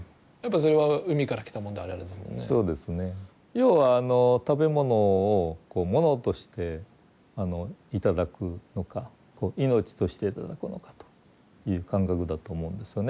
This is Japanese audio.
要は食べ物をこうものとして頂くのかこう命として頂くのかという感覚だと思うんですよね。